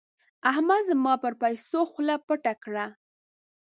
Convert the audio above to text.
احمد زما پر پيسو خوله پټه کړه.